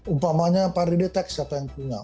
umpamanya pari detek siapa yang punya